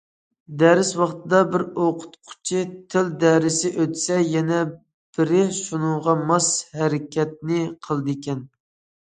دەرس ۋاقتىدا بىر ئوقۇتقۇچى تىل دەرسى ئۆتسە، يەنە بىرى شۇنىڭغا ماس ھەرىكەتنى قىلىدىكەن.